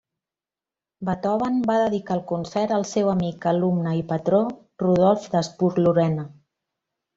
Beethoven va dedicar el concert al seu amic, alumne i patró Rodolf d'Habsburg-Lorena.